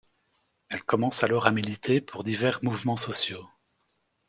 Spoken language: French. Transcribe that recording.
Elle commence alors à militer pour divers mouvements sociaux.